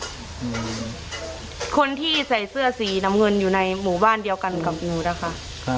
คนที่ใส่เสื้อสีหน้าเหนืออยู่ในหมู่บ้านเดียวกันกับหนูนะคะ